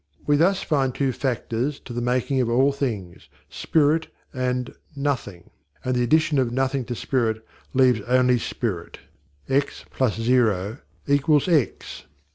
We thus find two factors to the making of all things, Spirit and Nothing; and the addition of Nothing to Spirit leaves only spirit: x + 0 = x.